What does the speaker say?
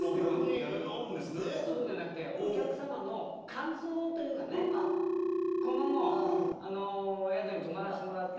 そうじゃなくて。というかねこの宿に泊まらせてもらって。